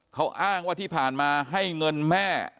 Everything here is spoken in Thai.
เขาอ้างว่าที่ผ่านมาให้เงินแม่